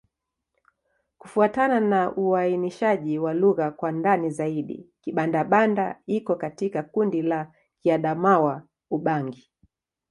Kufuatana na uainishaji wa lugha kwa ndani zaidi, Kibanda-Banda iko katika kundi la Kiadamawa-Ubangi.